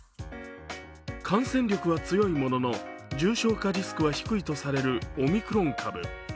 感染力は強いものの重症化リスクは低いとされるオミクロン株。